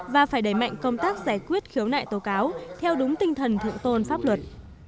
và phải đẩy mạnh công tác giải quyết khiếu nại tố cáo theo đúng tinh thần thượng tôn pháp luật